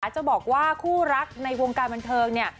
จะบอกว่าคู่รักในวงการบันเทิงเนี่ย